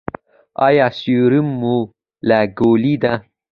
ایا سیروم مو لګولی دی؟